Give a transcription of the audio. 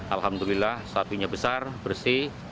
alhamdulillah sapinya besar bersih